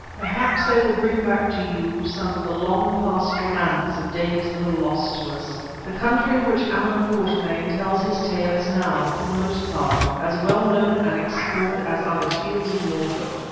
Perhaps they will bring back to you some of the long past romance of days that are lost to us. The country of which Allan Quatermain tells his tale is now, for the most part, as well known and explored as are the fields of Norfolk.